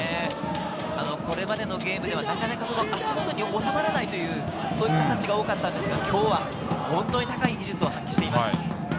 これまでのゲームではなかなか足元に収まらないという、そういう形が多かったんですが、今日は本当に高い技術を発揮しています。